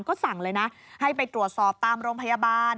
ก็สั่งเลยนะให้ไปตรวจสอบตามโรงพยาบาล